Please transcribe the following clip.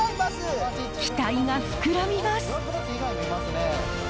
期待が膨らみます。